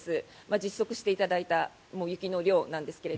実測していただいた雪の量なんですが。